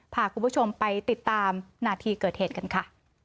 พาคุณผู้ชมไปติดตามนาทีเกิดเหตุกันค่ะ